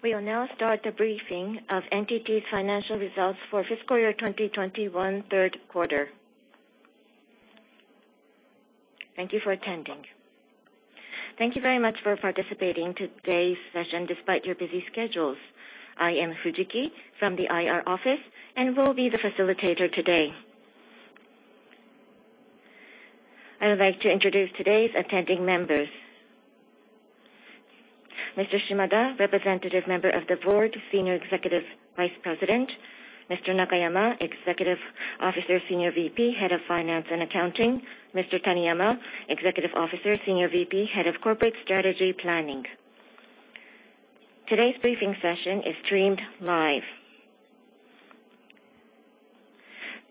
We will now start the briefing of NTT's financial results for fiscal year 2021 third quarter. Thank you for attending. Thank you very much for participating in today's session despite your busy schedules. I am Fujiki from the IR office and will be the facilitator today. I would like to introduce today's attending members. Mr. Shimada, Representative Member of the Board, Senior Executive Vice President. Mr. Nakayama, Executive Officer, Senior VP, Head of Finance and Accounting. Mr. Taniyama, Executive Officer, Senior VP, Head of Corporate Strategy Planning. Today's briefing session is streamed live.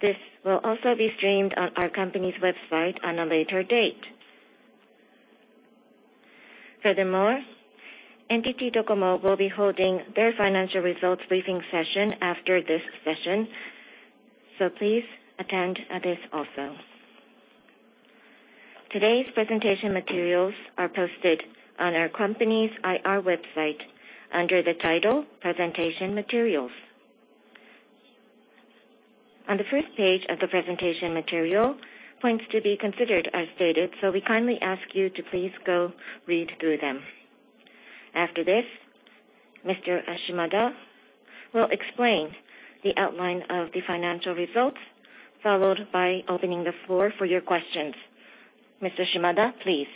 This will also be streamed on our company's website on a later date. Furthermore, NTT Docomo will be holding their financial results briefing session after this session, so please attend this also. Today's presentation materials are posted on our company's IR website under the title Presentation Materials. On the first page of the presentation material, points to be considered are stated, so we kindly ask you to please go read through them. After this, Mr. Shimada will explain the outline of the financial results, followed by opening the floor for your questions. Mr. Shimada, please.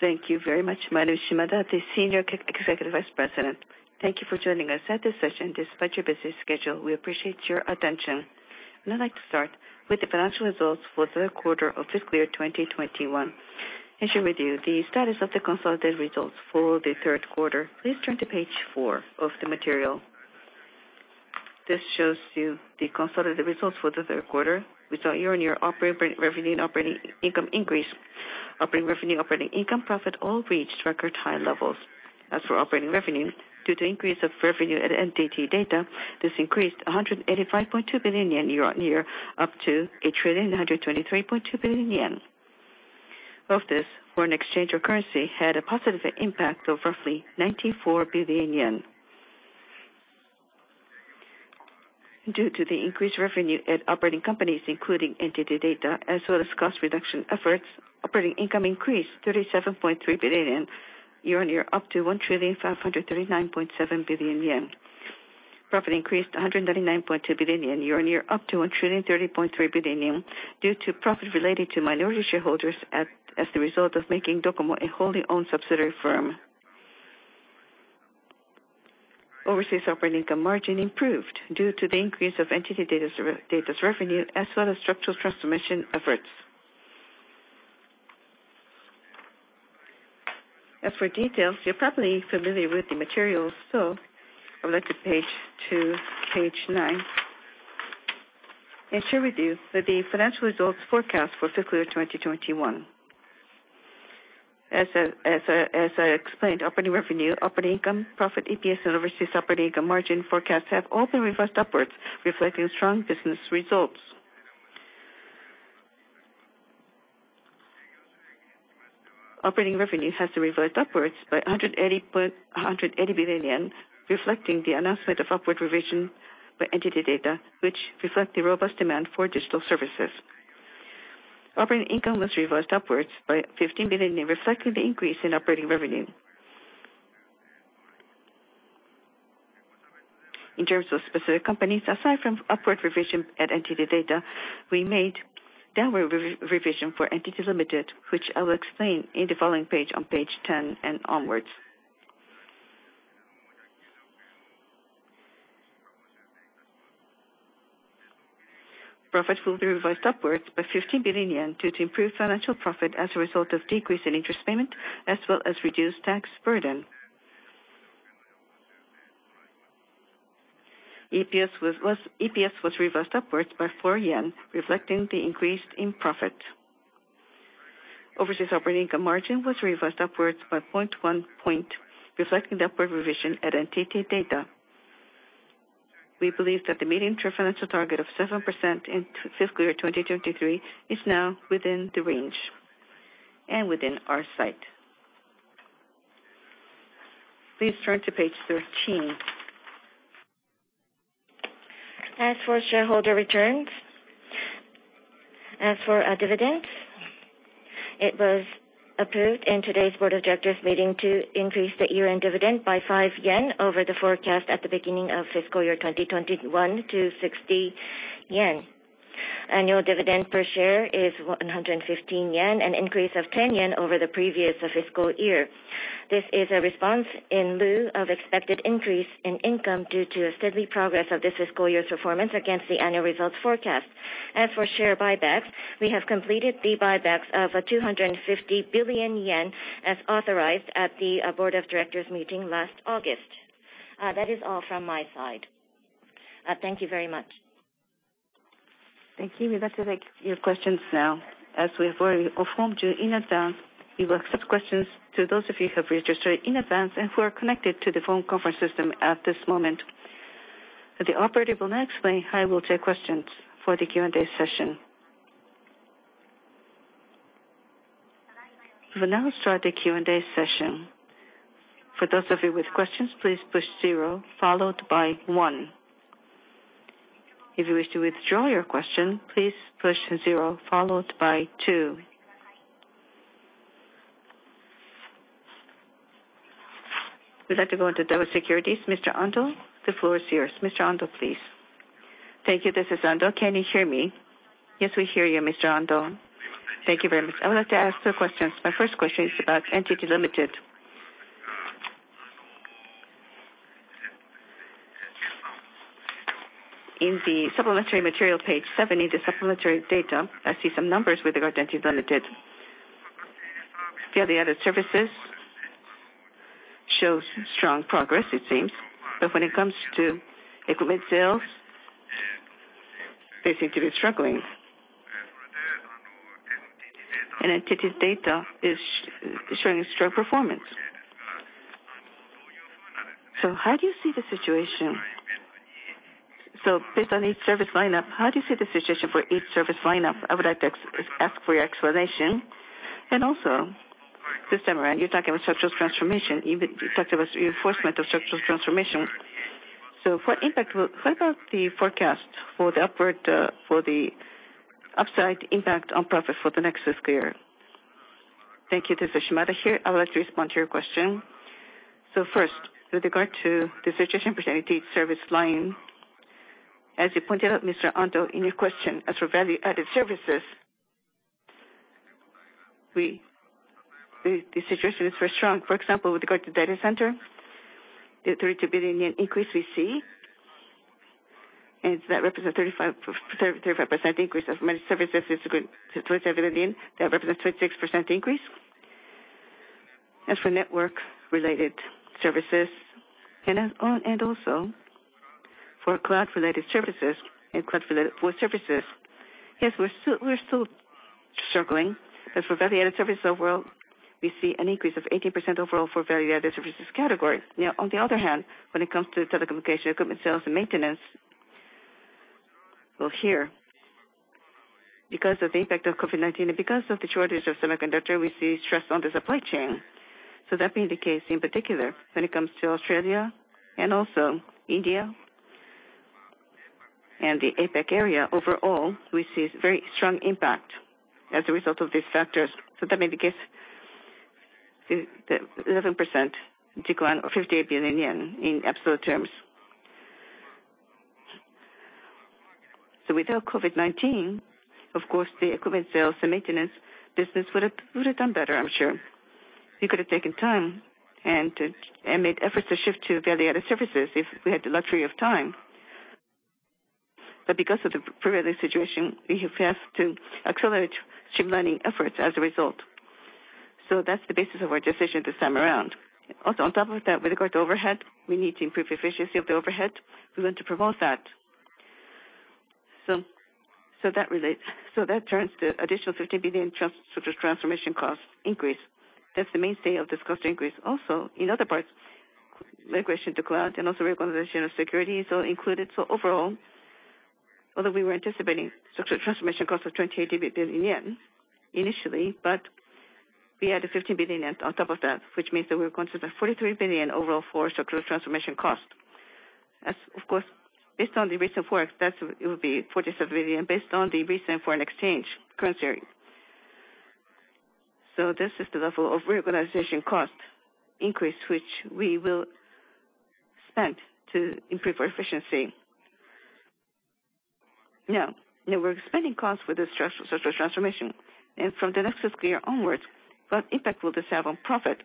Thank you very much. My name is Shimada, the Senior Executive Vice President. Thank you for joining us at this session despite your busy schedule. We appreciate your attention. I'd like to start with the financial results for the third quarter of fiscal year 2021 and share with you the status of the consolidated results for the third quarter. Please turn to page four of the material. This shows you the consolidated results for the third quarter. We saw year-on-year operating revenue and operating income increase. Operating revenue, operating income, profit all reached record high levels. As for operating revenue, due to increase of revenue at NTT DATA, this increased 185.2 billion yen year-on-year, up to 1,123.2 billion yen. Of this, foreign exchange or currency had a positive impact of roughly 94 billion yen. Due to the increased revenue at operating companies, including NTT DATA, as well as cost reduction efforts, operating income increased 37.3 billion year-on-year, up to 1,539.7 billion yen. Profit increased 199.2 billion yen year-on-year, up to 1,030.3 billion yen due to profit related to minority shareholders that, as a result of making NTT Docomo a wholly-owned subsidiary firm. Overseas operating income margin improved due to the increase of NTT DATA's revenue as well as structural transformation efforts. As for details, you're probably familiar with the materials, so I would like to turn to page nine and share with you the financial results forecast for fiscal year 2021. As I explained, operating revenue, operating income, profit, EPS and overseas operating income margin forecasts have all been revised upwards, reflecting strong business results. Operating revenue has been revised upwards by 180 billion yen, reflecting the announcement of upward revision by NTT DATA, which reflect the robust demand for digital services. Operating income was revised upwards by 15 billion, reflecting the increase in operating revenue. In terms of specific companies, aside from upward revision at NTT DATA, we made downward revision for NTT Ltd., which I will explain in the following page on page 10 and onwards. Profit will be revised upwards by 15 billion yen due to improved financial profit as a result of decrease in interest payment as well as reduced tax burden. EPS was revised upwards by 4 yen, reflecting the increase in profit. Overseas operating income margin was revised upwards by 0.1 point, reflecting the upward revision at NTT DATA. We believe that the medium-term financial target of 7% in fiscal year 2023 is now within the range and within our sight. Please turn to page 13. As for shareholder returns, as for our dividends, it was approved in today's board of directors meeting to increase the year-end dividend by 5 yen over the forecast at the beginning of fiscal year 2021 to 60 yen. Annual dividend per share is 115 yen, an increase of 10 yen over the previous fiscal year. This is a response in lieu of expected increase in income due to a steady progress of this fiscal year's performance against the annual results forecast. As for share buybacks, we have completed the buybacks of 250 billion yen as authorized at the board of directors meeting last August. That is all from my side. Thank you very much. Thank you. We'd like to take your questions now. As we have already informed you in advance, we will accept questions to those of you who have registered in advance and who are connected to the phone conference system at this moment. The operator will now explain how we'll take questions for the Q&A session. We will now start the Q&A session. For those of you with questions, please push zero followed by one. If you wish to withdraw your question, please push zero followed by two. We'd like to go to. Mr. Ando, please. Thank you. This is Ando. Can you hear me? Yes, we hear you, Mr. Ando. Thank you very much. I would like to ask two questions. My first question is about NTT Ltd. In the supplementary material page seven, in the supplementary data, I see some numbers with regard to NTT Ltd. Here the added services shows strong progress, it seems, but when it comes to equipment sales, they seem to be struggling. NTT's data is showing strong performance. How do you see the situation? Based on each service line-up, how do you see the situation for each service line-up? I would like to ask for your explanation. Also, this time around, you're talking about structural transformation, even you talked about reinforcement of structural transformation. For impact, what about the forecast for the upward, for the upside impact on profit for the next fiscal year? Thank you. This is Shimada here. I would like to respond to your question. First, with regard to the situation for NTT service line, as you pointed out, Mr.Ando. Ando, in your question, as for value-added services, the situation is very strong. For example, with regard to data center, the 32 billion yen increase we see, and that represent 35% increase. Managed services is going to 27 billion. That represents 26% increase. As for network-related services and also for cloud-related services and cloud-related core services, yes, we're still struggling. As for value-added services overall, we see an increase of 18% overall for value-added services category. Now, on the other hand, when it comes to telecommunication equipment sales and maintenance, well, here, because of the impact of COVID-19 and because of the shortage of semiconductor, we see stress on the supply chain. That indicates, in particular, when it comes to Australia and also India and the APAC area, overall, we see very strong impact as a result of these factors. That may indicate the 11% decline, or 58 billion yen in absolute terms. Without COVID-19, of course, the equipment sales and maintenance business would have done better, I'm sure. We could have taken time and made efforts to shift to value-added services if we had the luxury of time. Because of the prevailing situation, we have had to accelerate shift learning efforts as a result. That's the basis of our decision this time around. Also on top of that, with regard to overhead, we need to improve efficiency of the overhead. We want to promote that. That relates. That turns the additional 15 billion structural transformation cost increase. That's the mainstay of this cost increase. Also, in other parts, migration to cloud and also reorganization of security is all included. Overall, although we were anticipating structural transformation cost of 28 billion yen initially, but we added 15 billion yen on top of that, which means that we are considering 43 billion overall for structural transformation cost. As, of course, based on the recent forex, that's it will be 47 billion based on the recent foreign exchange currency. This is the level of reorganization cost increase, which we will spend to improve our efficiency. Now we're expanding costs for this structural transformation. From the next fiscal year onwards, what impact will this have on profit?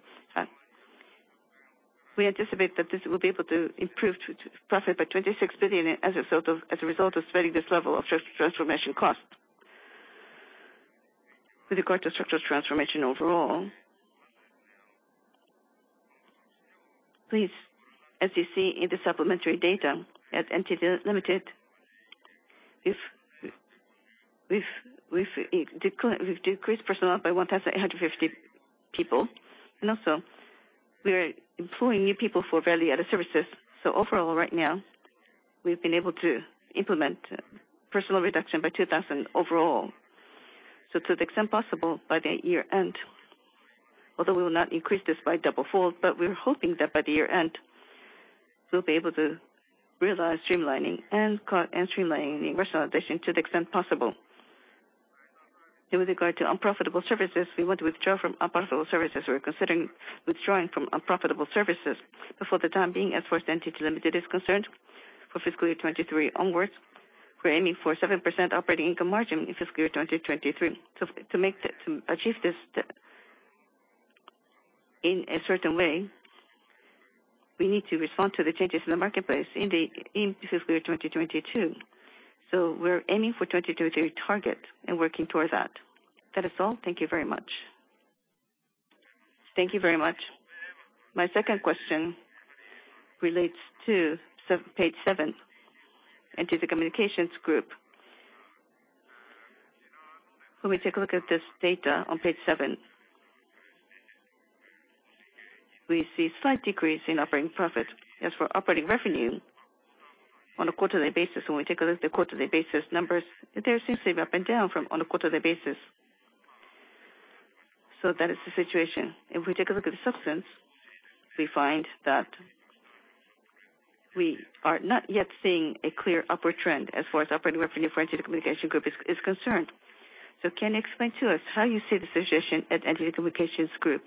We anticipate that this will be able to improve profit by 26 billion as a result of spending this level of transformation cost. With regard to structural transformation overall, please, as you see in the supplementary data, at NTT Ltd., we've decreased personnel by 1,850 people, and also we are employing new people for value-added services. Overall, right now, we've been able to implement personnel reduction by 2,000 overall. To the extent possible by the year-end, although we will not increase this by double fold, but we are hoping that by the year-end, we'll be able to realize streamlining and cut and streamlining personnel addition to the extent possible. With regard to unprofitable services, we want to withdraw from unprofitable services. We're considering withdrawing from unprofitable services. For the time being, as for NTT Ltd. is concerned, for fiscal year 2023 onwards, we're aiming for 7% operating income margin in fiscal year 2023. To make that, to achieve this in a certain way, we need to respond to the changes in the marketplace in fiscal year 2022. We're aiming for 2023 target and working towards that. That is all. Thank you very much. Thank you very much. My second question relates to page seven, NTT Communications Group. When we take a look at this data on page seven, we see slight decrease in operating profit. As for operating revenue on a quarterly basis, when we take a look at the quarterly basis numbers, they seem to be up and down on a quarterly basis. That is the situation. If we take a look at the substance, we find that we are not yet seeing a clear upward trend as far as operating revenue for NTT Communications Group is concerned. Can you explain to us how you see the situation at NTT Communications Group?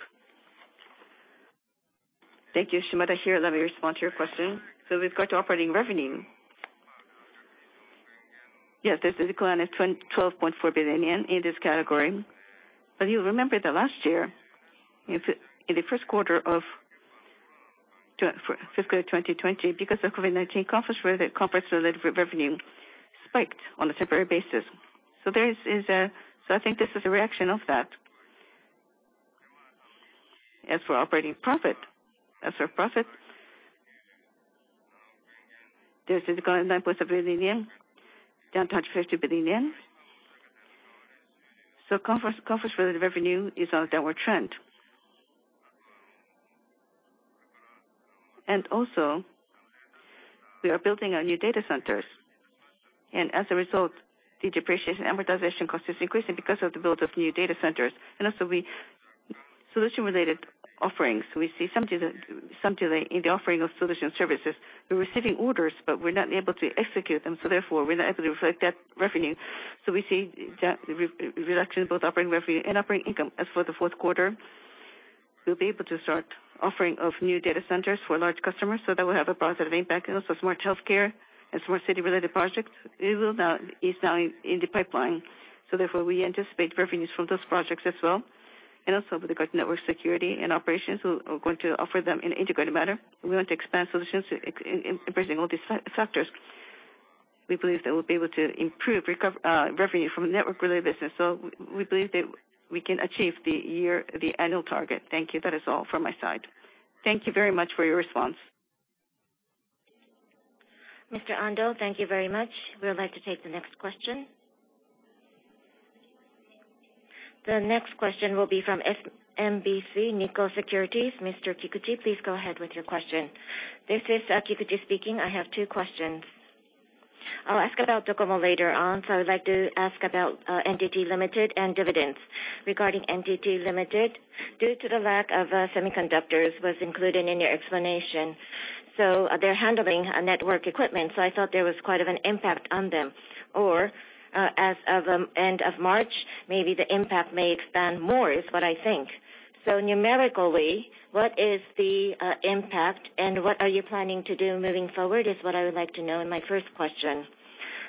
Thank you. Shimada here. Let me respond to your question. We've got operating revenue. Yes, there's a decline of 12.4 billion yen in this category. You'll remember that last year, in the first quarter of fiscal 2020, because of COVID-19, conference related revenue spiked on a temporary basis. There is a reaction to that. I think this is a reaction to that. As for operating profit, there's a decline of 9.7 billion yen, down 12.3 billion yen. Conference related revenue is on a downward trend. We are building our new data centers. As a result, the depreciation amortization cost is increasing because of the build of new data centers. Our solution related offerings, we see some delay in the offering of solution services. We're receiving orders, but we're not able to execute them, so therefore we're not able to reflect that revenue. We see that reduction in both operating revenue and operating income. As for the fourth quarter, we'll be able to start offering new data centers for large customers, so that will have a positive impact. Smart healthcare and smart city related projects are now in the pipeline. We anticipate revenues from those projects as well. With regard to network security and operations, we're going to offer them in an integrated manner. We want to expand solutions in embracing all these factors. We believe that we'll be able to improve recovery of revenue from network related business. We believe that we can achieve the annual target. Thank you. That is all from my side. Thank you very much for your response. Mr. Ando, thank you very much. We would like to take the next question. The next question will be from SMBC Nikko Securities Inc. Mr. Kikuchi, please go ahead with your question. This is Kikuchi speaking. I have two questions. I'll ask about DOCOMO later on, so I would like to ask about NTT Ltd. and dividends. Regarding NTT Ltd., due to the lack of semiconductors was included in your explanation. They're handling network equipment, so I thought there was quite an impact on them. As of end of March, maybe the impact may expand more is what I think. Numerically, what is the impact and what are you planning to do moving forward is what I would like to know in my first question.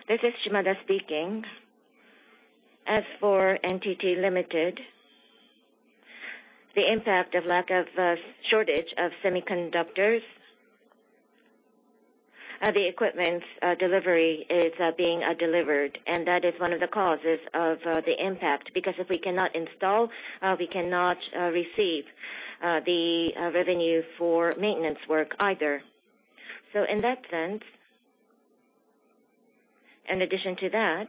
This is Shimada speaking. As for NTT Ltd., the impact from the shortage of semiconductors, the equipment delivery is being delayed, and that is one of the causes of the impact. Because if we cannot install, we cannot receive the revenue for maintenance work either. In that sense, in addition to that,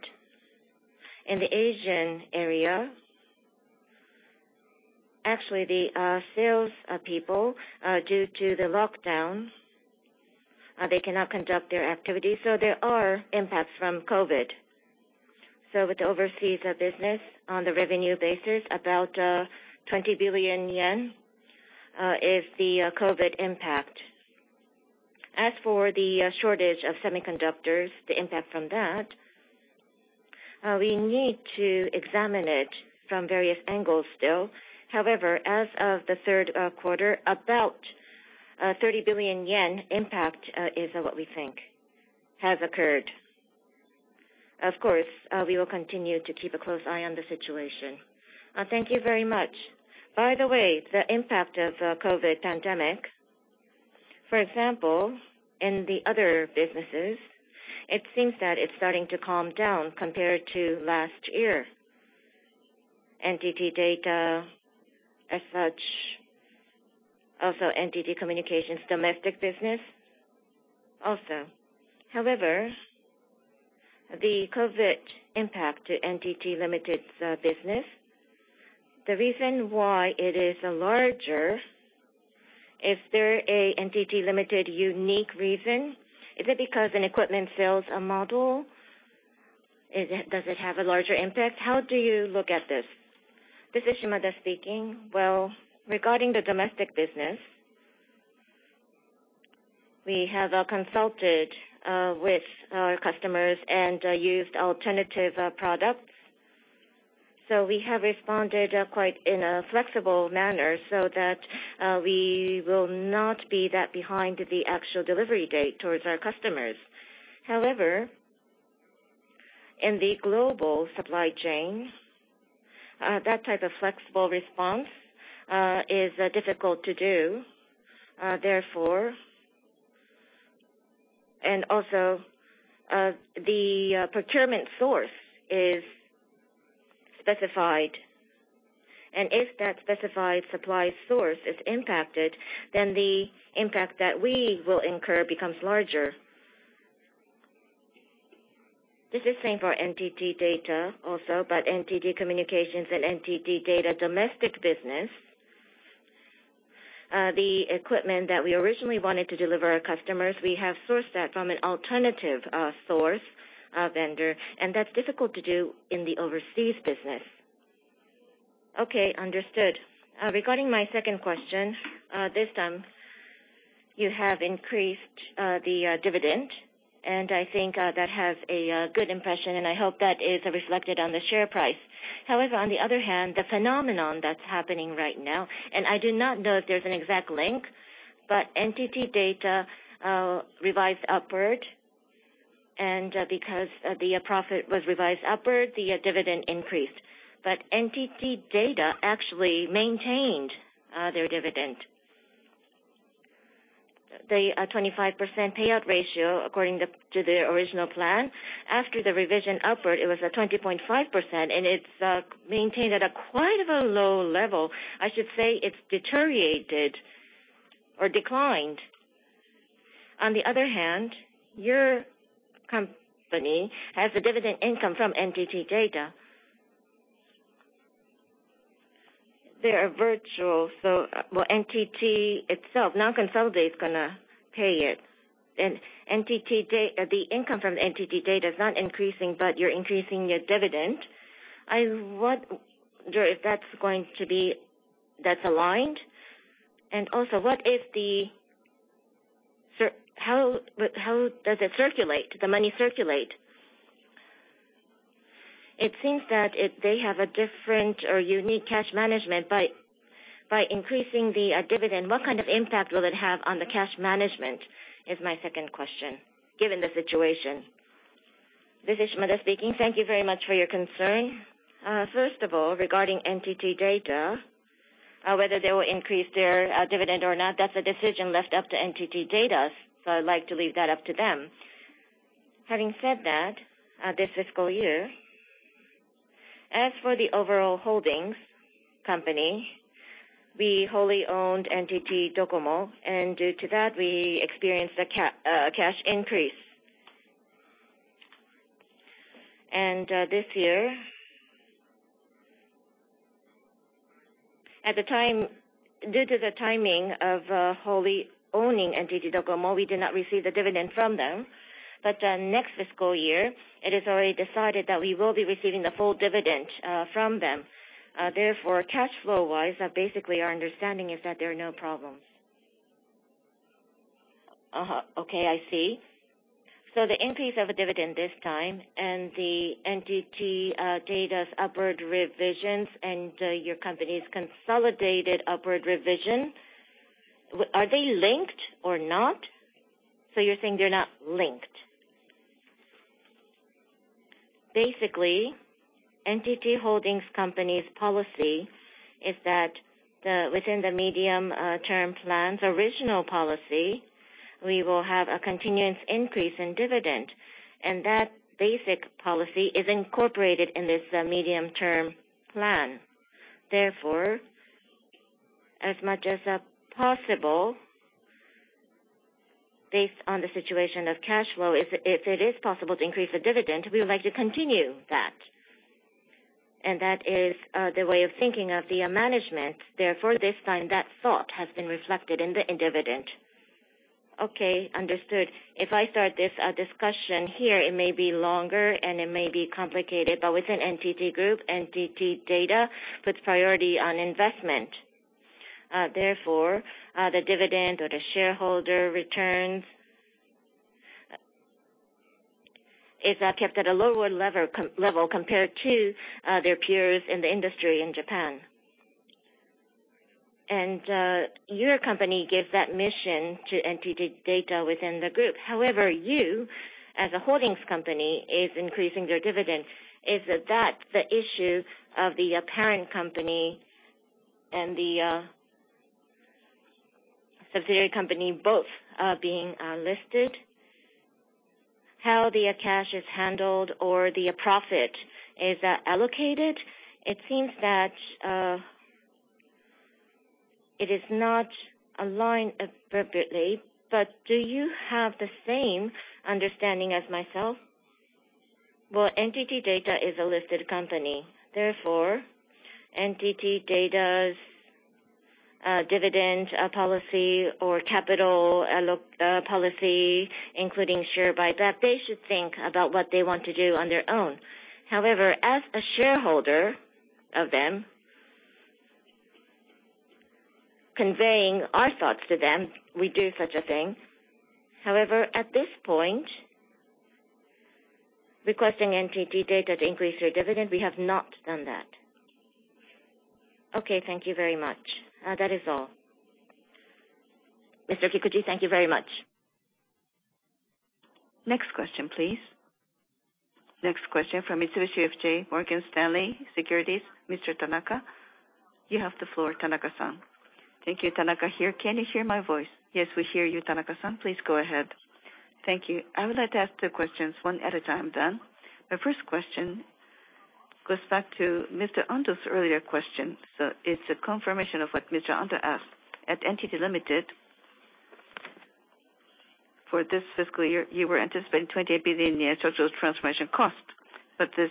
in the Asian area, actually the sales people, due to the lockdowns, they cannot conduct their activities, so there are impacts from COVID. With overseas business on the revenue basis, about 20 billion yen is the COVID impact. As for the shortage of semiconductors, the impact from that, we need to examine it from various angles still. However, as of the third quarter, about 30 billion yen impact is what we think has occurred. Of course, we will continue to keep a close eye on the situation. Thank you very much. By the way, the impact of COVID-19 pandemic, for example, in the other businesses, it seems that it's starting to calm down compared to last year. NTT DATA as such, also NTT Communications domestic business also. However, the COVID-19 impact to NTT Ltd.'s business, the reason why it is larger, is there a NTT Ltd. unique reason? Is it because an equipment sales model? Is it, does it have a larger impact? How do you look at this? This is Shimada speaking. Well, regarding the domestic business, we have consulted with our customers and used alternative products. We have responded quite in a flexible manner so that we will not be that behind the actual delivery date towards our customers. However, in the global supply chain, that type of flexible response is difficult to do, therefore. The procurement source is specified, and if that specified supply source is impacted, then the impact that we will incur becomes larger. This is the same for NTT DATA also, but NTT Communications and NTT DATA domestic business, the equipment that we originally wanted to deliver to our customers, we have sourced that from an alternative source vendor, and that's difficult to do in the overseas business. Okay, understood. Regarding my second question, this time you have increased the dividend, and I think that has a good impression, and I hope that is reflected on the share price. However, on the other hand, the phenomenon that's happening right now, and I do not know if there's an exact link, but NTT DATA revised upward and because the profit was revised upward, the dividend increased. But NTT DATA actually maintained their dividend. The 25% payout ratio according to their original plan. After the revision upward, it was 20.5% and it's maintained at quite a low level. I should say it's deteriorated or declined. On the other hand, your company has a dividend income from NTT DATA. They are virtual, so well, NTT itself, non-consolidated, is gonna pay it. The income from NTT DATA is not increasing, but you're increasing your dividend. I wonder if that's aligned. Also, how does the money circulate? It seems that they have a different or unique cash management. By increasing the dividend, what kind of impact will it have on the cash management, is my second question, given the situation? This is Shimada speaking. Thank you very much for your concern. First of all, regarding NTT DATA, whether they will increase their dividend or not, that's a decision left up to NTT DATA, so I'd like to leave that up to them. Having said that, this fiscal year, as for the overall holdings company, we wholly owned NTT Docomo, and due to that, we experienced a cash increase. This year, at the time, due to the timing of wholly owning NTT Docomo, we did not receive the dividend from them. Next fiscal year, it is already decided that we will be receiving the full dividend from them. Therefore, cash flow-wise, basically our understanding is that there are no problems. Okay, I see. The increase of a dividend this time and the NTT Data's upward revisions and your company's consolidated upward revision, are they linked or not? You're saying they're not linked. Basically, NTT Holding Company's policy is that within the medium-term plan's original policy, we will have a continuous increase in dividend, and that basic policy is incorporated in this medium-term plan. Therefore, as much as possible, based on the situation of cash flow, if it is possible to increase the dividend, we would like to continue that. That is the way of thinking of the management. Therefore, this time that thought has been reflected in the dividend. Okay, understood. If I start this discussion here, it may be longer and it may be complicated, but within NTT Group, NTT Data puts priority on investment. Therefore, the dividend or the shareholder returns is kept at a lower level compared to their peers in the industry in Japan. Your company gives that mission to NTT DATA within the group. However, you, as a holding company, is increasing your dividend. Is that the issue of the parent company and the subsidiary company both being listed? How the cash is handled or the profit is allocated? It seems that it is not aligned appropriately, but do you have the same understanding as myself? Well, NTT DATA is a listed company. Therefore, NTT DATA's dividend policy or capital policy, including share buyback, they should think about what they want to do on their own. However, as a shareholder of them, conveying our thoughts to them, we do such a thing. However, at this point, requesting NTT DATA to increase their dividend, we have not done that. Okay, thank you very much. That is all. Mr. Kikuchi, thank you very much. Next question, please. Next question from Mitsubishi UFJ Morgan Stanley Securities, Mr. Tanaka. You have the floor, Tanaka-san. Thank you. Tanaka here. Can you hear my voice? Yes, we hear you, Tanaka-san. Please go ahead. Thank you. I would like to ask two questions, one at a time then. The first question goes back to Mr. Ando's earlier question. It's a confirmation of what Mr. Ando asked. At NTT Ltd., for this fiscal year, you were anticipating 28 billion structural transformation cost, but this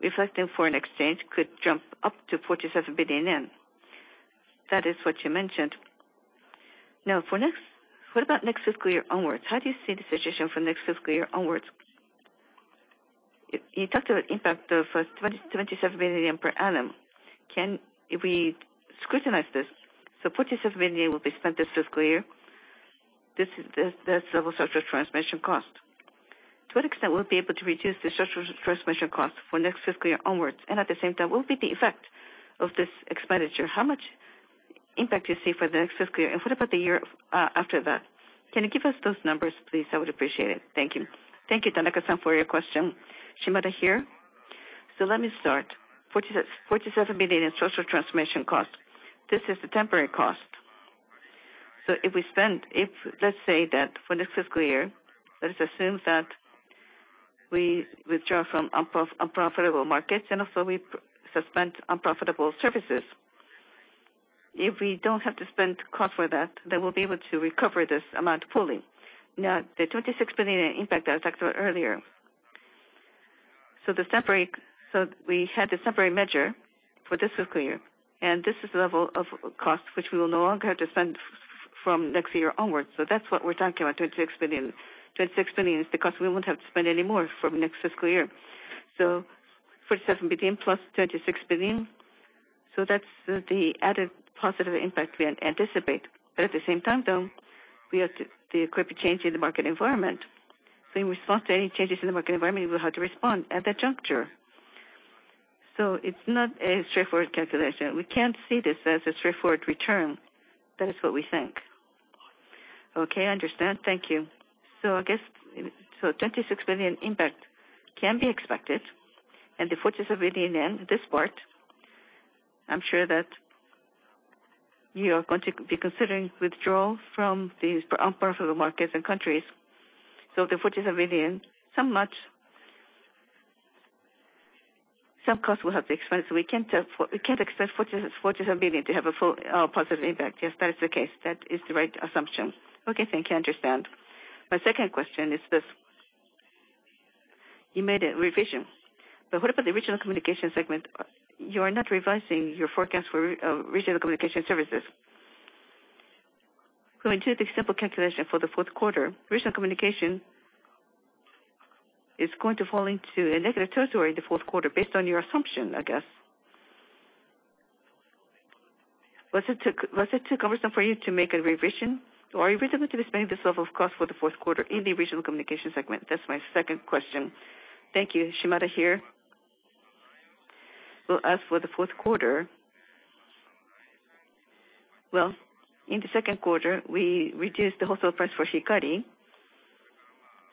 reflecting foreign exchange could jump up to 47 billion yen. That is what you mentioned. Now for next, what about next fiscal year onwards? How do you see the situation for next fiscal year onwards? You talked about impact of 27 billion per annum. Can we scrutinize this? 47 billion will be spent this fiscal year. This is that's level structural transformation cost. To what extent will you be able to reduce the structural transformation cost for next fiscal year onwards, and at the same time, what will be the effect of this expenditure? How much impact do you see for the next fiscal year, and what about the year after that? Can you give us those numbers, please? I would appreciate it. Thank you. Thank you, Tanaka-san, for your question. Shimada here. Let me start. 47 billion in structural transformation cost, this is the temporary cost. If we spend, if let's say that for next fiscal year, let us assume that we withdraw from unprofitable markets and also we suspend unprofitable services. If we don't have to spend cost for that, then we'll be able to recover this amount fully. Now, the 26 billion impact I was talking about earlier. The separate, we had a separate measure for this fiscal year, and this is the level of cost which we will no longer have to spend from next year onwards. That's what we're talking about, 26 billion. 26 billion is the cost we won't have to spend any more from next fiscal year. 47 billion plus 26 billion, that's the added positive impact we anticipate. At the same time, though, we have to the appropriate change in the market environment. In response to any changes in the market environment, we will have to respond at that juncture. It's not a straightforward calculation. We can't see this as a straightforward return. That is what we think. Okay, I understand. Thank you. I guess, 26 billion impact can be expected, and the 47 billion yen, this part, I'm sure that you are going to be considering withdrawal from these unprofitable markets and countries. The 47 billion, some of which some cost will have to be spent, we can't expect 47 billion to have a full positive impact. Yes, that is the case. That is the right assumption. Okay, thank you. I understand. My second question is this. You made a revision, but what about the regional communication segment? You are not revising your forecast for regional communication services. Going to the simple calculation for the fourth quarter, regional communication is going to fall into a negative territory in the fourth quarter based on your assumption, I guess. Was it too cumbersome for you to make a revision, or is it reasonable to be spending this level of cost for the fourth quarter in the regional communication segment? That's my second question. Thank you. Shimada here. Well, as for the fourth quarter. Well, in the second quarter, we reduced the wholesale price for Hikari,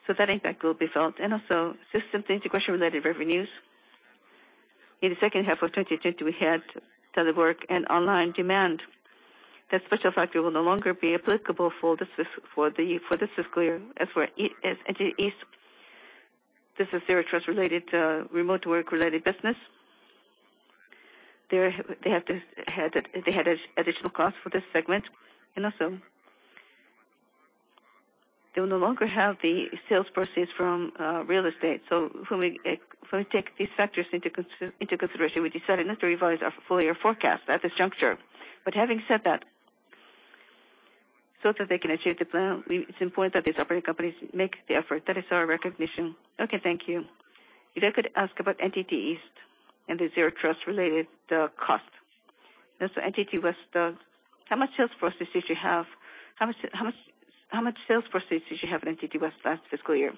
so that impact will be felt, and also system integration-related revenues. In the second half of 2020, we had telework and online demand. That special factor will no longer be applicable for this fiscal year. As for NTT East, this is Zero Trust related, remote work-related business. They had additional cost for this segment, and also they will no longer have the sales proceeds from real estate. When we take these factors into consideration, we decided not to revise our full year forecast at this juncture. Having said that, so that they can achieve the plan, it's important that these operating companies make the effort. That is our recognition. Okay, thank you. If I could ask about NTT East and the Zero Trust related cost. Also NTT West, how much sales proceeds did you have in NTT West last fiscal year?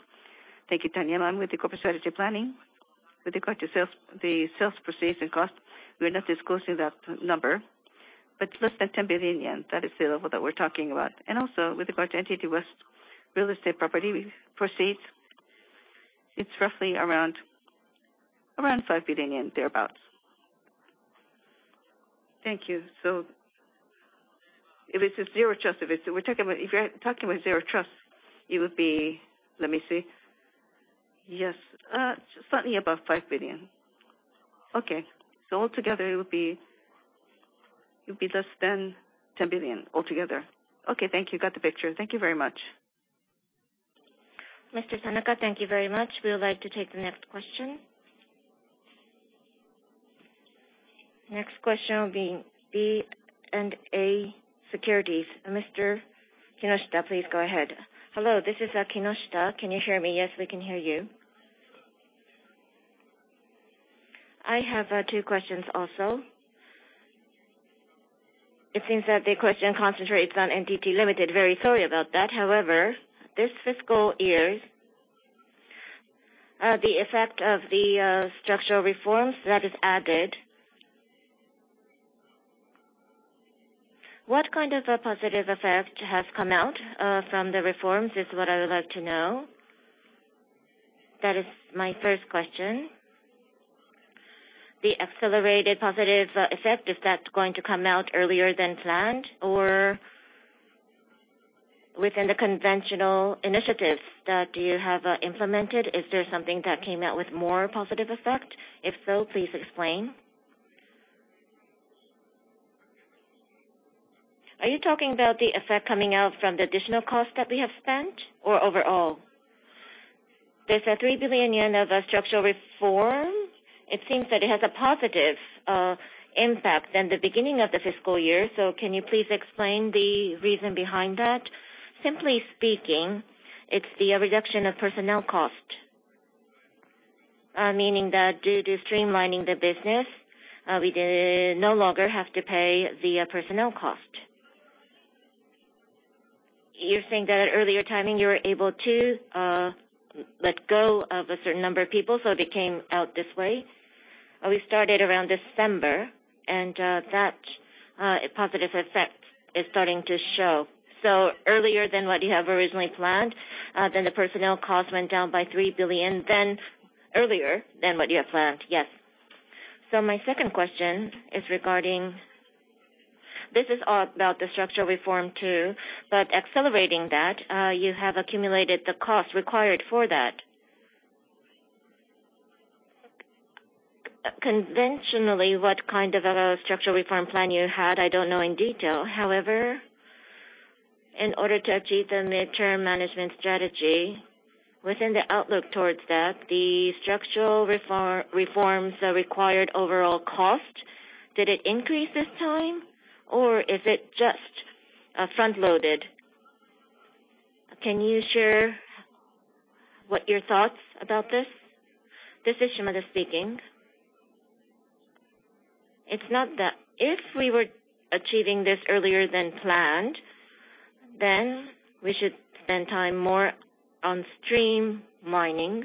Thank you. Taniyama with the corporate strategy planning. With regard to sales, the sales proceeds and cost, we're not disclosing that number, but less than 10 billion yen. That is the level that we're talking about. With regard to NTT West real estate property proceeds, it's roughly around JPY 5 billion, thereabout. Thank you. If you're talking about Zero Trust, it would be slightly above 5 billion. Okay. All together it would be less than 10 billion all together. Okay. Thank you. Got the picture. Thank you very much. Mr. Tanaka, thank you very much. We would like to take the next question. Next question will be BofA Securities. Mr. Kinoshita, please go ahead. Hello, this is Kinoshita. Can you hear me? Yes, we can hear you. I have two questions also. It seems that the question concentrates on NTT Ltd. Very sorry about that. However, this fiscal year, the effect of the structural reforms that is added. What kind of a positive effect has come out from the reforms is what I would like to know. That is my first question. The accelerated positive effect, is that going to come out earlier than planned or within the conventional initiatives that you have implemented, is there something that came out with more positive effect? If so, please explain. Are you talking about the effect coming out from the additional cost that we have spent or overall? There's 3 billion yen of a structural reform. It seems that it has a positive impact than the beginning of the fiscal year. Can you please explain the reason behind that? Simply speaking, it's the reduction of personnel cost. Meaning that due to streamlining the business, we did no longer have to pay the personnel cost. You're saying that at earlier timing, you were able to, let go of a certain number of people, so it became out this way? We started around December and that positive effect is starting to show. Earlier than what you have originally planned, then the personnel cost went down by 3 billion then earlier than what you had planned? Yes. My second question is regarding this. This is all about the structural reform too, but accelerating that, you have accumulated the cost required for that. Conventionally, what kind of a structural reform plan you had, I don't know in detail. However, in order to achieve the midterm management strategy within the outlook towards that, the structural reforms, the required overall cost, did it increase this time or is it just front-loaded? Can you share what your thoughts about this? This is Shimada speaking. It's not that. If we were achieving this earlier than planned, then we should spend time more on streamlining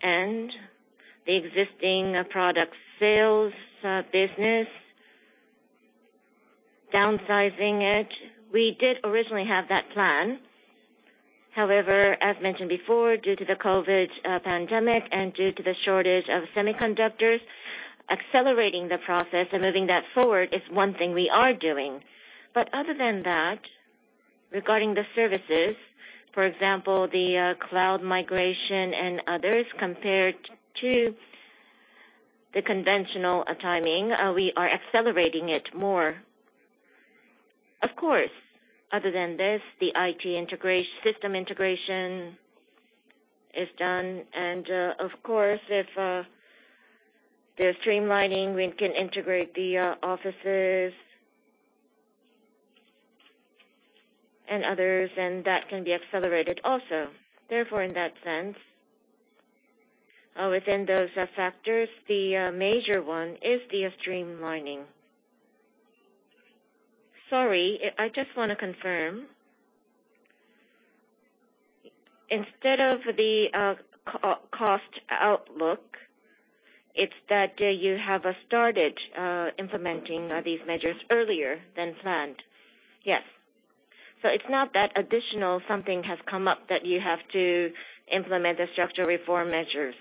and the existing product sales, business, downsizing it. We did originally have that plan. However, as mentioned before, due to the COVID-19 pandemic and due to the shortage of semiconductors, accelerating the process and moving that forward is one thing we are doing. Other than that, regarding the services, for example, the cloud migration and others, compared to the conventional timing, we are accelerating it more. Of course, other than this, the IT integration, system integration is done. Of course, if there's streamlining, we can integrate the offices and others and that can be accelerated also. Therefore, in that sense, within those factors, the major one is the streamlining. Sorry, I just wanna confirm. Instead of the cost outlook, it's that you have started implementing these measures earlier than planned? Yes. It's not that additional something has come up that you have to implement the structural reform measures?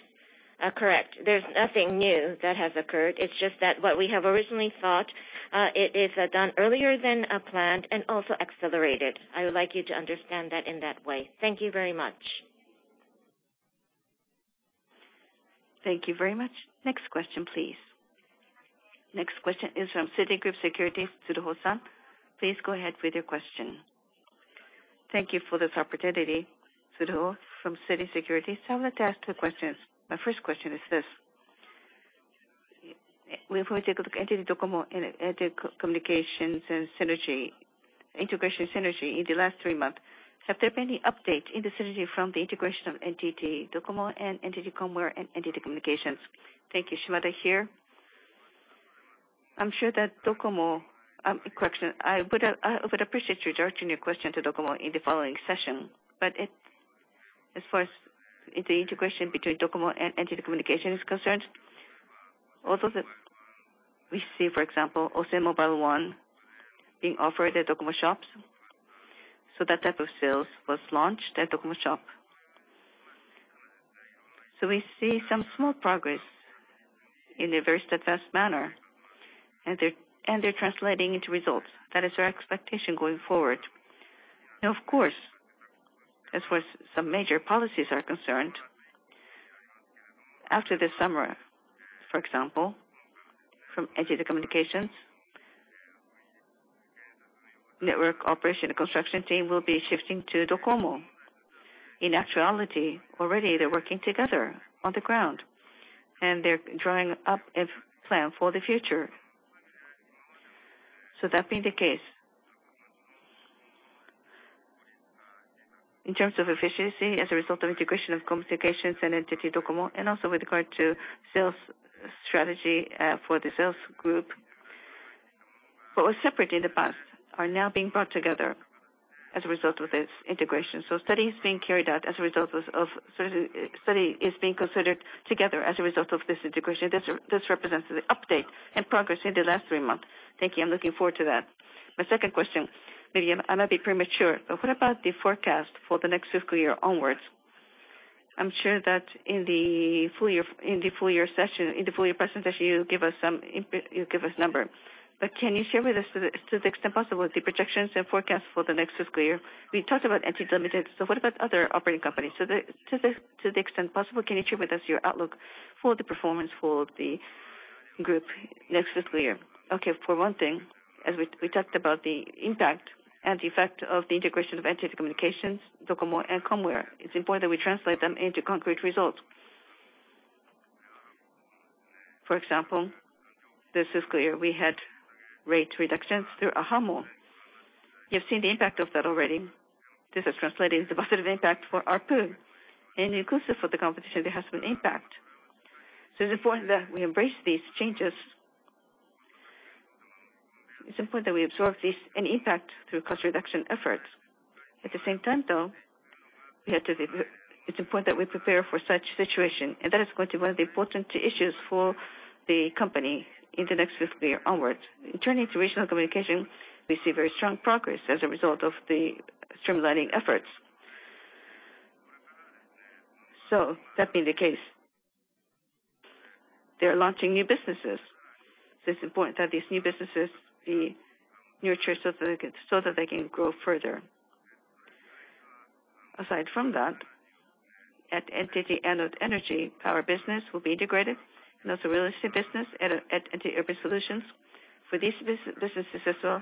Correct. There's nothing new that has occurred. It's just that what we have originally thought, it is done earlier than planned and also accelerated. I would like you to understand that in that way. Thank you very much. Thank you very much. Next question, please. Next question is from Citigroup Securities, Tsuruo-san. Please go ahead with your question. Thank you for this opportunity. Tsuruo from Citi Securities. I would like to ask two questions. My first question is this: When we take a look at NTT Docomo and the communications and synergy, integration synergy in the last three months, have there been any updates in the synergy from the integration of NTT Docomo and NTT COMWARE and NTT Communications? Thank you. Shimada here. I'm sure that Docomo, correction. I would appreciate you directing your question to Docomo in the following session. It, as far as the integration between Docomo and NTT Communications is concerned, we see, for example, OCN Mobile ONE being offered at Docomo shops, that type of sales was launched at Docomo shop. We see some small progress in a very steadfast manner, and they're translating into results. That is our expectation going forward. Now, of course, as far as some major policies are concerned, after this summer, for example, from NTT Communications, network operation and construction team will be shifting to Docomo. In actuality, already, they're working together on the ground, and they're drawing up a plan for the future. That being the case, in terms of efficiency as a result of integration of communications and NTT Docomo, and also with regard to sales strategy, for the sales group, what was separate in the past are now being brought together as a result of this integration. The study is being considered together as a result of this integration. This represents the update and progress in the last three months. Thank you. I'm looking forward to that. My second question, maybe I might be premature, but what about the forecast for the next fiscal year onwards? I'm sure that in the full year session, in the full year presentation, you'll give us number. Can you share with us to the extent possible, the projections and forecasts for the next fiscal year? We talked about NTT Ltd. What about other operating companies? To the extent possible, can you share with us your outlook for the performance for the group next fiscal year? Okay. For one thing, as we talked about the impact and effect of the integration of NTT Communications, Docomo and Comware. It's important that we translate them into concrete results. For example, this fiscal year, we had rate reductions through ahamo. You've seen the impact of that already. This is translating the positive impact for ARPU. It includes for the competition, there has been impact. It's important that we embrace these changes. It's important that we absorb this impact through cost reduction efforts. At the same time, though, it's important that we prepare for such situation, and that is going to be one of the important issues for the company in the next fiscal year onwards. In turning to regional communication, we see very strong progress as a result of the streamlining efforts. That being the case, they're launching new businesses. It's important that these new businesses be nurtured so that they can grow further. Aside from that, at NTT Anode Energy, power business will be integrated, and also real estate business at NTT Urban Solutions. For these businesses as well,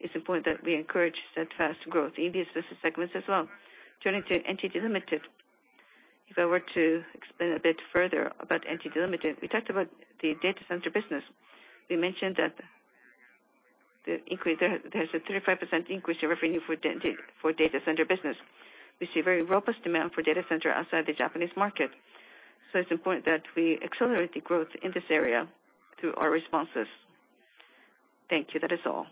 it's important that we encourage steadfast growth in these business segments as well. Turning to NTT Ltd., if I were to explain a bit further about NTT Ltd., we talked about the data center business. We mentioned that the increase, there's a 35% increase in revenue for data center business. We see very robust demand for data center outside the Japanese market. It's important that we accelerate the growth in this area through our responses. Thank you. That is all.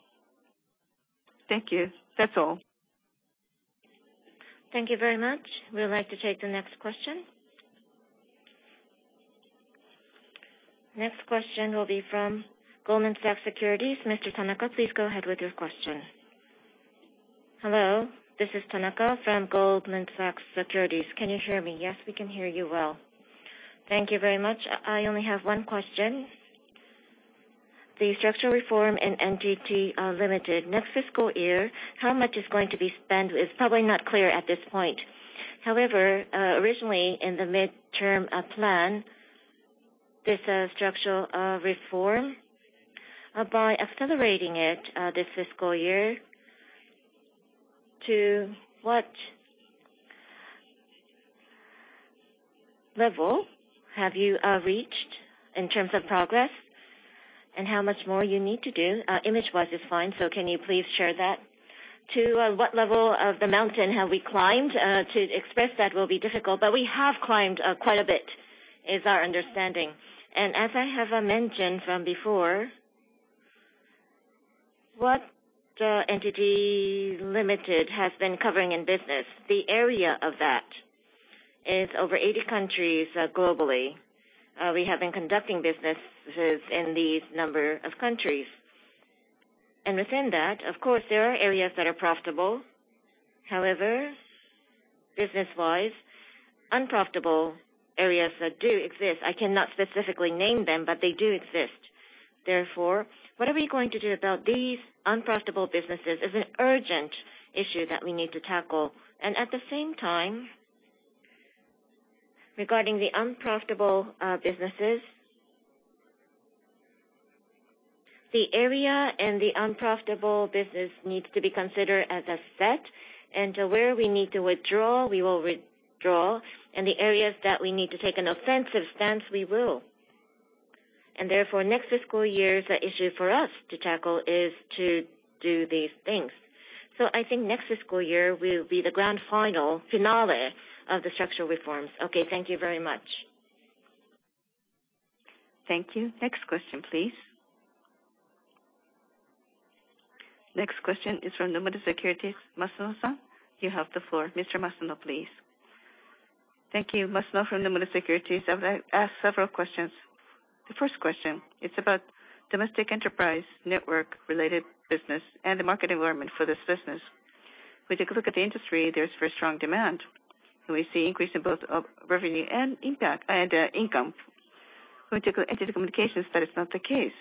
Thank you. That's all. Thank you very much. We would like to take the next question. Next question will be from Goldman Sachs Securities. Mr. Tanaka, please go ahead with your question. Hello, this is Tanaka from Goldman Sachs Securities. Can you hear me? Yes, we can hear you well. Thank you very much. I only have one question. The structural reform in NTT Ltd. Next fiscal year, how much is going to be spent? It's probably not clear at this point. However, originally in the midterm plan, this structural reform by accelerating it this fiscal year, to what level have you reached in terms of progress? And how much more you need to do? Image-wise is fine, so can you please share that? To what level of the mountain have we climbed? To express that will be difficult, but we have climbed quite a bit, is our understanding. As I have mentioned from before, what NTT Ltd. has been covering in business, the area of that is over 80 countries globally. We have been conducting businesses in this number of countries. Within that, of course, there are areas that are profitable. However, business-wise, unprofitable areas do exist. I cannot specifically name them, but they do exist. Therefore, what are we going to do about these unprofitable businesses is an urgent issue that we need to tackle. At the same time, regarding the unprofitable businesses, the area and the unprofitable business needs to be considered as a set. To where we need to withdraw, we will withdraw. The areas that we need to take an offensive stance, we will. Therefore, next fiscal year, the issue for us to tackle is to do these things. I think next fiscal year will be the grand final finale of the structural reforms. Okay, thank you very much. Thank you. Next question, please. Next question is from Nomura Securities. Masuno-san, you have the floor. Mr. Masuno, please. Thank you. Masuno from Nomura Securities. I would like to ask several questions. The first question, it's about domestic enterprise network-related business and the market environment for this business. When we take a look at the industry, there's very strong demand. We see increase in both revenue and income. When it comes to NTT Communications, that is not the case.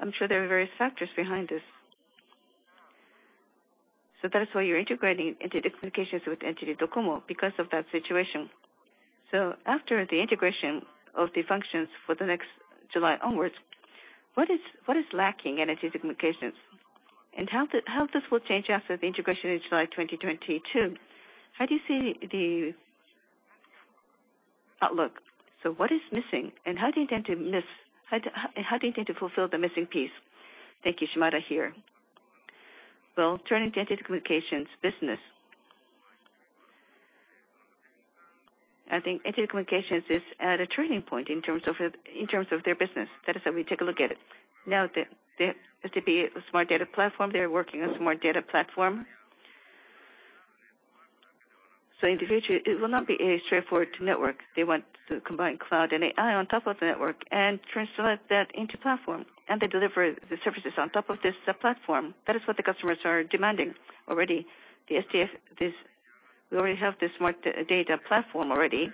I'm sure there are various factors behind this. That is why you're integrating NTT Communications with NTT Docomo because of that situation. After the integration of the functions for the next July onwards, what is lacking in NTT Communications? And how this will change after the integration in July 2022? How do you see the outlook? What is missing, and how do you intend to fix? How do you intend to fulfill the missing piece? Thank you. Shimada here. Turning to NTT Communications business, I think NTT Communications is at a turning point in terms of their business. That is how we take a look at it. Now, they are working on a Smart Data Platform. In the future, it will not be a straightforward network. They want to combine cloud and AI on top of the network and translate that into platform, and they deliver the services on top of this platform. That is what the customers are demanding already. The SDP, we already have the Smart Data Platform already.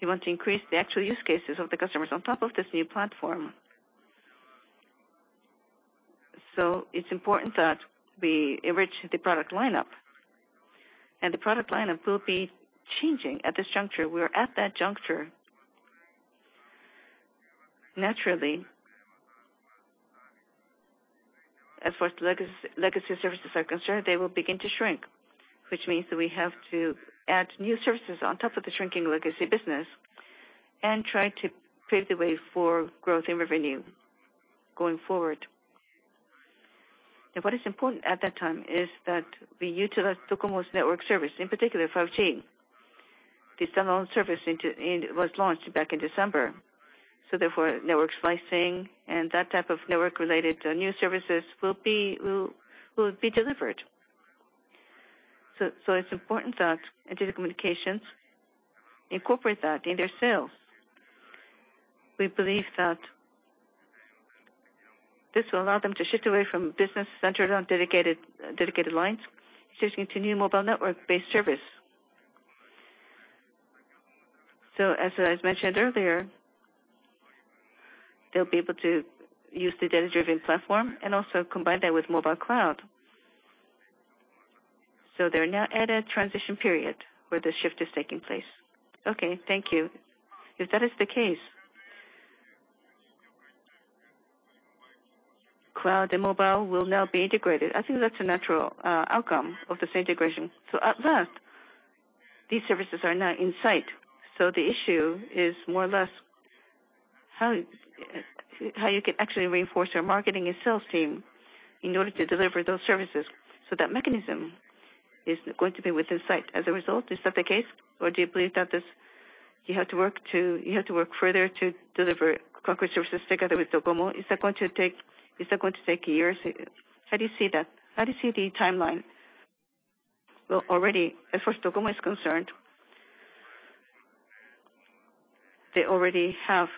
We want to increase the actual use cases of the customers on top of this new platform. It's important that we enrich the product lineup, and the product lineup will be changing at this juncture. We are at that juncture. Naturally, as far as legacy services are concerned, they will begin to shrink, which means that we have to add new services on top of the shrinking legacy business and try to pave the way for growth in revenue going forward. Now, what is important at that time is that we utilize Docomo's network service, in particular, 5G. The standalone service was launched back in December, so therefore, network slicing and that type of network-related new services will be delivered. It's important that NTT Communications incorporate that in their sales. We believe that this will allow them to shift away from business centered on dedicated lines, shifting to new mobile network-based service. As I mentioned earlier, they'll be able to use the data-driven platform and also combine that with mobile cloud. They're now at a transition period where the shift is taking place. Okay, thank you. If that is the case, cloud and mobile will now be integrated. I think that's a natural outcome of this integration. At last, these services are now in sight, so the issue is more or less how you can actually reinforce your marketing and sales team in order to deliver those services. That mechanism is going to be within sight as a result. Is that the case? Do you believe that this, you have to work further to deliver concrete services together with Docomo? Is that going to take years? How do you see that? How do you see the timeline? Well, already, as far as Docomo is concerned, they already have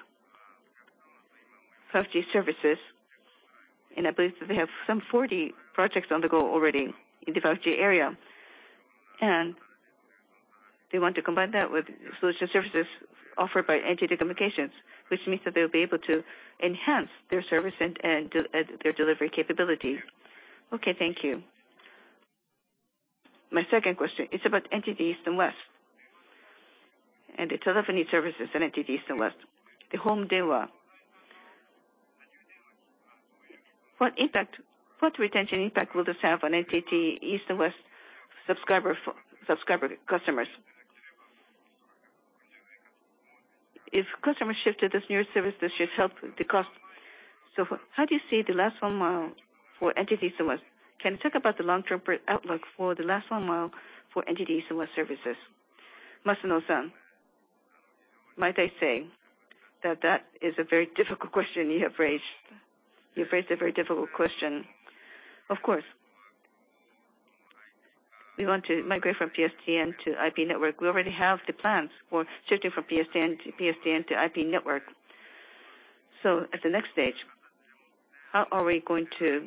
5G services, and I believe that they have some 40 projects on the go already in the 5G area. They want to combine that with solution services offered by NTT Communications, which means that they will be able to enhance their service and their delivery capabilities. Okay, thank you. My second question is about NTT East and West and the telephony services at NTT East and West, the home denwa. What impact, what retention impact will this have on NTT East and West subscriber customers? If customers shift to this newer service, this should help the cost. How do you see the last one mile for NTT East and West? Can you talk about the long-term per outlook for the last one mile for NTT East and West services? Masuno-san, might I say that is a very difficult question you have raised. You've raised a very difficult question. Of course. We want to migrate from PSTN to IP network. We already have the plans for shifting from PSTN to IP network. At the next stage, how are we going to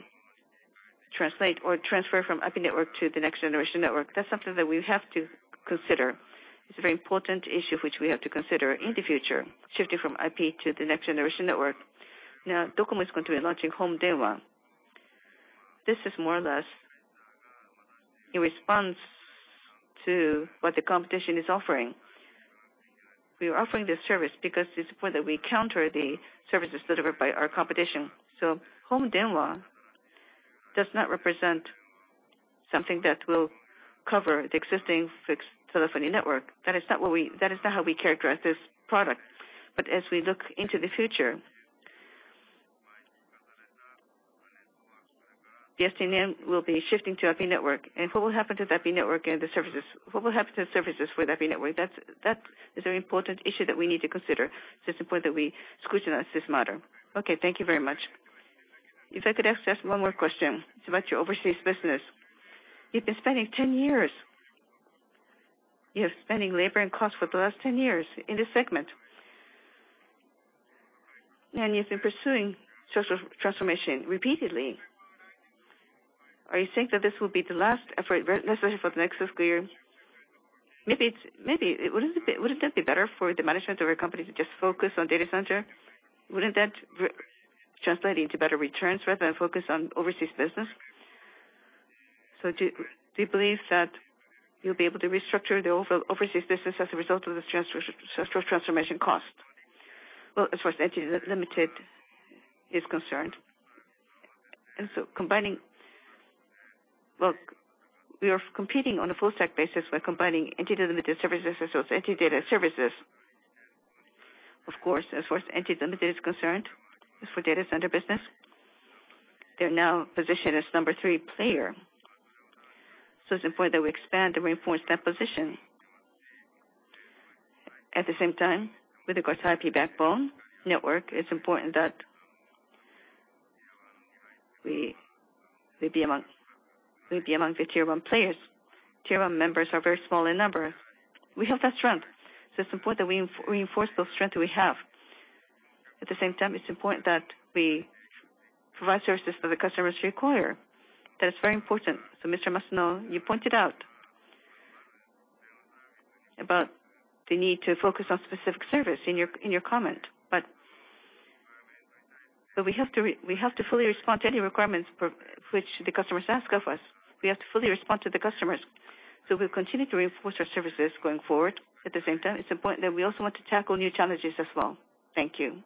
translate or transfer from IP network to the next generation network? That's something that we have to consider. It's a very important issue which we have to consider in the future, shifting from IP to the next generation network. Now, Docomo is going to be launching home denwa. This is more or less in response to what the competition is offering. We are offering this service because it's important that we counter the services delivered by our competition. home denwa does not represent something that will cover the existing fixed telephony network. That is not how we characterize this product. As we look into the future, the PSTN will be shifting to IP network. What will happen to that IP network and the services? What will happen to the services for that IP network? That is a very important issue that we need to consider. It's important that we scrutinize this matter. Okay, thank you very much. If I could ask just one more question. It's about your overseas business. You've been spending labor and cost for the last 10 years in this segment. You've been pursuing social transformation repeatedly. Or you think that this will be the last effort, necessarily for the next fiscal year. Maybe it would just be better for the management of your company to just focus on data center. Wouldn't that translate into better returns rather than focus on overseas business? Do you believe that you'll be able to restructure the overseas business as a result of this transformational cost? Well, as far as NTT Ltd. is concerned, combining. Well, we are competing on a full stack basis. We're combining NTT Ltd. services, as well as NTT DATA services. Of course, as far as NTT Ltd. is concerned, as for data center business, they're now positioned as number three player. It's important that we expand and reinforce that position. With, of course, our IP backbone network, it's important that we be among the Tier 1 players. Tier 1 members are very small in number. We have that strength. It's important that we reinforce those strengths we have. It's important that we provide services that the customers require. That is very important. Mr. Masuno, you pointed out about the need to focus on specific service in your comment. We have to fully respond to any requirements for which the customers ask of us. We have to fully respond to the customers. We'll continue to reinforce our services going forward. It's important that we also want to tackle new challenges as well. Thank you.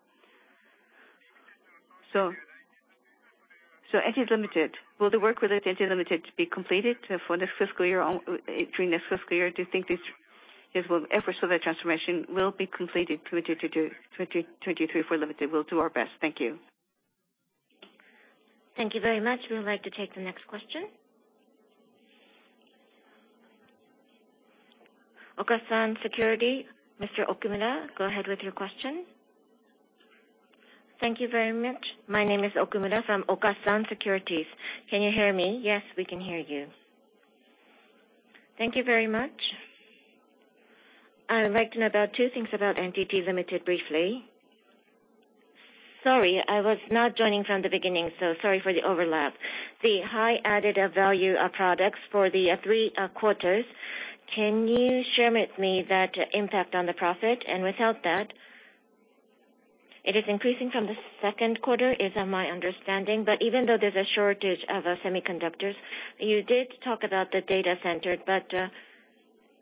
NTT Ltd. Will the work related to NTT Ltd. be completed for next fiscal year or during next fiscal year? Do you think this effort for the transformation will be completed 2022, 2023 for Ltd.? We'll do our best. Thank you. Thank you very much. We would like to take the next question. Okasan Securities, Mr. Okumura, go ahead with your question. Thank you very much. My name is Okumura from Okasan Securities. Can you hear me? Yes, we can hear you. Thank you very much. I would like to know about two things about NTT Ltd. briefly. Sorry, I was not joining from the beginning, so sorry for the overlap. The high added value products for the three quarters, can you share with me that impact on the profit? Without that, it is increasing from the second quarter, is my understanding. Even though there's a shortage of semiconductors, you did talk about the data center, but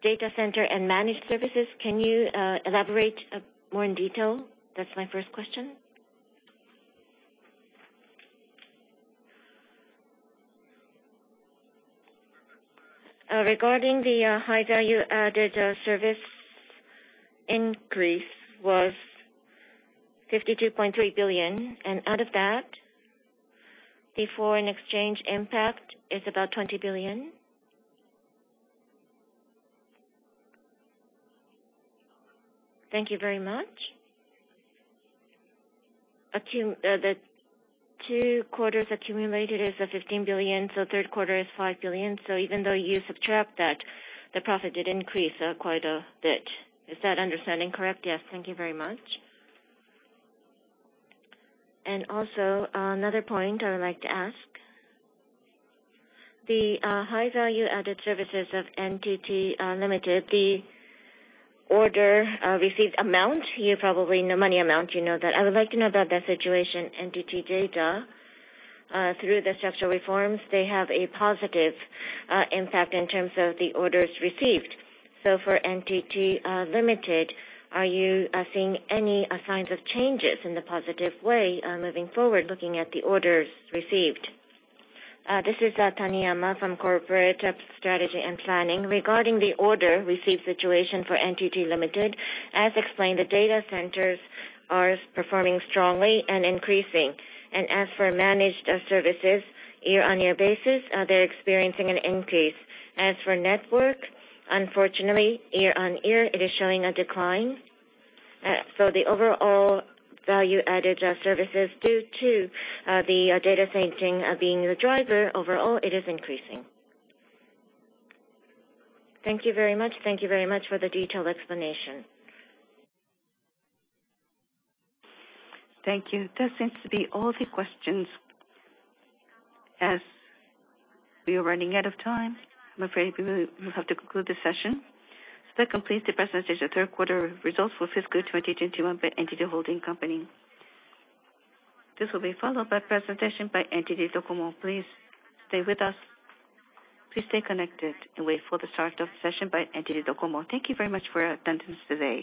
data center and managed services, can you elaborate more in detail? That's my first question. Regarding the high value added service increase was 52.3 billion, and out of that, before an exchange impact is about 20 billion. Thank you very much. The two quarters accumulated is 15 billion, so third quarter is 5 billion. Even though you subtract that, the profit did increase quite a bit. Is that understanding correct? Yes. Thank you very much. Also, another point I would like to ask. The high value added services of NTT Ltd., the order received amount, you probably know monetary amount, you know that. I would like to know about that situation, NTT DATA. Through the structural reforms, they have a positive impact in terms of the orders received. For NTT Ltd., are you seeing any signs of changes in the positive way moving forward, looking at the orders received? This is Taniyama from Corporate Strategy and Planning.Regarding the order received situation for NTT Ltd., as explained, the data centers are performing strongly and increasing. As for managed services, year-on-year basis, they're experiencing an increase. As for network, unfortunately, year-on-year, it is showing a decline. The overall value added services due to the data centering being the driver, overall, it is increasing. Thank you very much. Thank you very much for the detailed explanation. Thank you. That seems to be all the questions. As we are running out of time, I'm afraid we will have to conclude the session. That completes the presentation of third quarter results for fiscal 2021 by NTT. This will be followed by presentation by NTT Docomo. Please stay with us. Please stay connected and wait for the start of session by NTT Docomo. Thank you very much for your attendance today.